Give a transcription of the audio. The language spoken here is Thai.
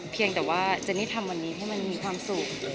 เพียงแต่ว่าเจนนี่ทำวันนี้ให้มันมีความสุข